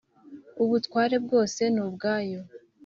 ubutware bwose nubwayo